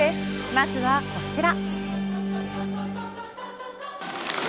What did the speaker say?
まずはこちら。